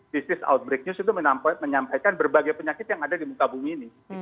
disease outbreak news itu menyampaikan berbagai penyakit yang ada di muka bumi ini